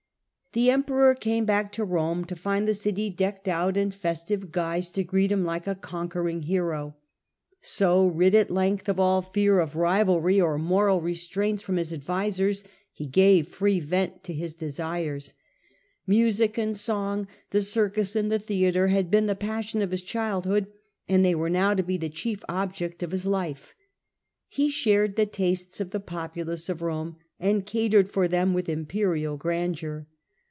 The Emperor came back to Rome to find the city decked out in festive guise to greet him like a con Ncro gave qucring hero. So, rid at length of all fear of to'his^piea rivalry or moral restraints from his advisers, sures, he gave free vent to his desires. Music and song, the circus and the theatre had been the passion of his childhood ; they were now to be the chief object of his life. He shared the tastes of the populace of Rome, and catered for them with imperial grandeur.